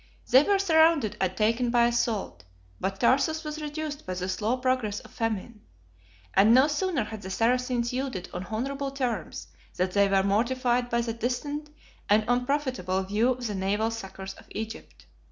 They were surrounded and taken by assault; but Tarsus was reduced by the slow progress of famine; and no sooner had the Saracens yielded on honorable terms than they were mortified by the distant and unprofitable view of the naval succors of Egypt.